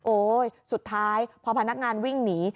โอ้ยสุดท้ายพนักงานวิ่งหนี